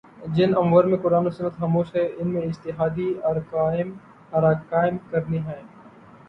جن امور میں قرآن و سنت خاموش ہیں ان میں اجتہادی آراقائم کرنی ہیں